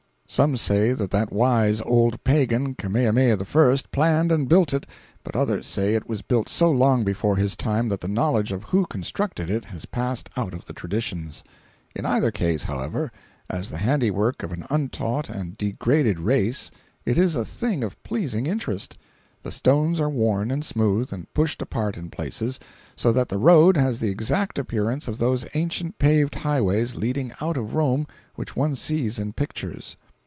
Some say that that wise old pagan, Kamehameha I planned and built it, but others say it was built so long before his time that the knowledge of who constructed it has passed out of the traditions. In either case, however, as the handiwork of an untaught and degraded race it is a thing of pleasing interest. The stones are worn and smooth, and pushed apart in places, so that the road has the exact appearance of those ancient paved highways leading out of Rome which one sees in pictures.